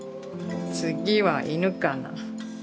次は犬かな。